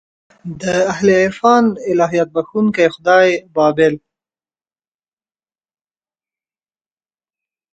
د اهل عرفان الهیات بخښونکی خدای بابېدل.